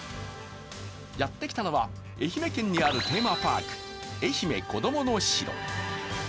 やって来たのは愛媛県にあるテーマパーク、えひめこどもの城。